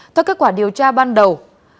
theo kết quả điều tra ban đầu